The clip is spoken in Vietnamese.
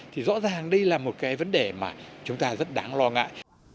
thì rõ ràng đây là một cái vấn đề mà chúng ta rất đáng lo ngại